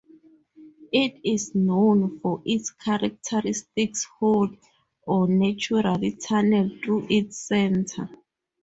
It is known for its characteristic hole, or natural tunnel, through its center.